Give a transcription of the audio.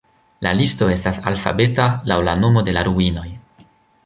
La listo estas alfabeta laŭ la nomo de la ruinoj.